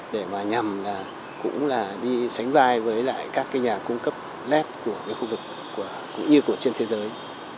để nhằm đi sánh vai với các nhà cung cấp led của khu vực cũng như trên thế giới